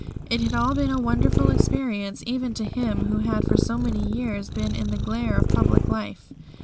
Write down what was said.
It had all been a wonderful experience even to him who had for so many years been in the glare of public life.